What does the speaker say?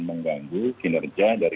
mengganggu kinerja dari